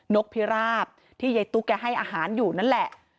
กพิราบที่ยายตุ๊กแกให้อาหารอยู่นั่นแหละ